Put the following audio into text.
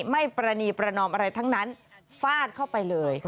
ประนีประนอมอะไรทั้งนั้นฟาดเข้าไปเลย